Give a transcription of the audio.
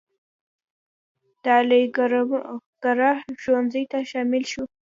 د علیګړهه ښوونځي ته شامل شو.